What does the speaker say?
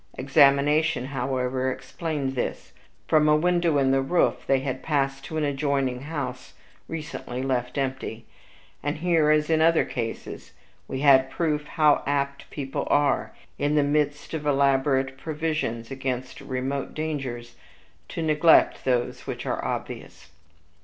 Examination, however, explained this: from a window in the roof they had passed to an adjoining house recently left empty; and here, as in other cases, we had proof how apt people are, in the midst of elaborate provisions against remote dangers, to neglect those which are obvious.